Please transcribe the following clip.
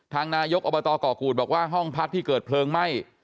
นายกอบตก่อกูธบอกว่าห้องพักที่เกิดเพลิงไหม้